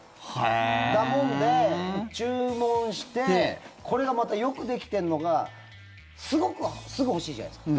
だもんで、注文してこれがまたよくできているのがすごくすぐ欲しいじゃないですか。